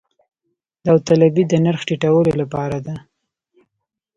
داوطلبي د نرخ ټیټولو لپاره ده